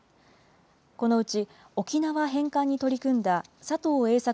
このうち、沖縄返還に取り組んだ佐藤栄作